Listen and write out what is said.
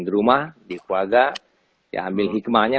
di rumah di keluarga ya ambil hikmahnya